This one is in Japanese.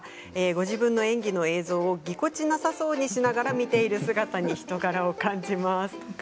ご自分の演技の映像をぎこちなさそうに見ているところに人柄のよさを感じます。